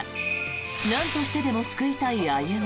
なんとしてでも救いたい歩。